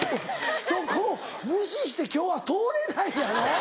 そこを無視して今日は通れないやろ。